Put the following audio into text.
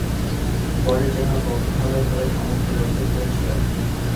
পরে যাহা হউক ভালয় ভালয় সমস্ত দ্রব্য পৌঁছিয়াছে।